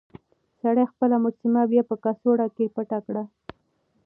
سړي خپله مجسمه بيا په کڅوړه کې پټه کړه.